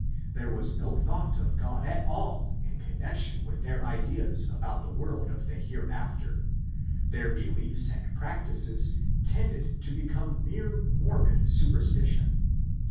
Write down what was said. There was no thought of God at all in connexion with their ideas about the world of the Hereafter ; their beliefs and practices tended to become mere morbid superstition.